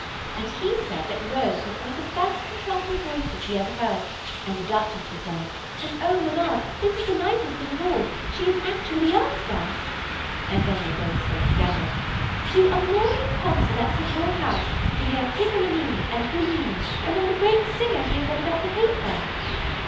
"And he said Rose had one of the best contralto voices he ever heard; and the Duchess was there, and oh, mamma, this is the nicest thing of all, she has actually asked us," and then they both spoke together, "to a morning concert at St. Maur House, to hear Piccolomini and Giuglini and all the great singers we have read about in the paper."